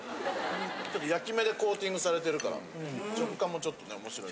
焼き目でコーティングされてるから食感もちょっとね面白い。